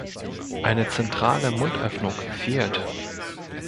Eine zentrale Mundöffnung fehlt.